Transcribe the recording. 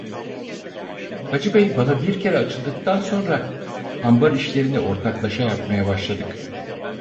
Hacı Bey bana bir kere açıldıktan sonra, ambar işlerini ortaklaşa yapmaya başladık.